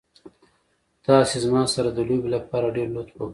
تاسې زما سره د لوبې لپاره ډېر لطف وکړ.